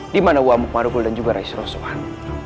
dimana wa'amuk marukul dan juga rais roswan